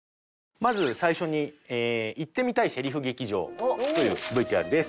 まず最初に言ってみたいセリフ劇場というＶＴＲです。